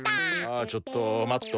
あちょっと待っと！